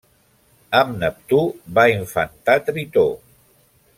Amb Neptú va infantar Tritó.